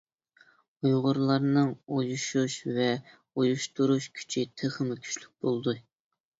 ئۇيغۇرلارنىڭ ئۇيۇشۇش ۋە ئۇيۇشتۇرۇش كۈچى تېخىمۇ كۈچلۈك بولدى.